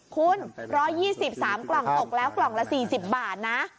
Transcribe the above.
คุณ๑๒๓กล่องตกแล้วกล่องละ๔๐บาทนะ